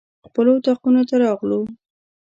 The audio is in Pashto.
خپلو اطاقونو ته راغلو.